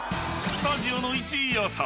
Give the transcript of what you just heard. ［スタジオの１位予想］